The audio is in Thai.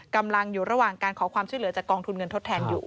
กำลังอยู่ระหว่างการขอความช่วยเหลือจากกองทุนเงินทดแทนอยู่